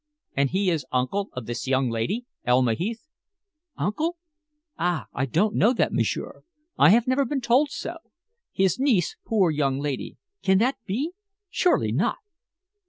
"And he is uncle of this young lady, Elma Heath?" "Uncle? Ah! I don't know that, m'sieur. I have never been told so. His niece poor young lady! can that be? Surely not!"